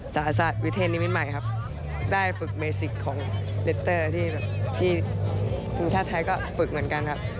ศาสตร์วิทยาลัยนิวินใหม่ครับได้ฝึกเมสิกของเร็ตเตอร์ที่สินคาชไทยก็ฝึกเหมือนกันครับ